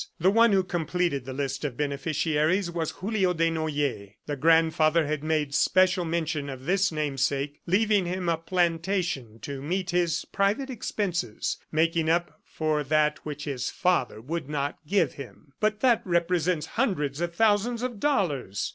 The one who completed the list of beneficiaries was Julio Desnoyers. The grandfather had made special mention of this namesake, leaving him a plantation "to meet his private expenses, making up for that which his father would not give him." "But that represents hundreds of thousands of dollars!"